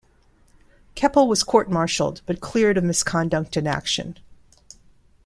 Keppel was court-martialled but cleared of misconduct in action.